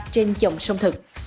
trên dòng sông thực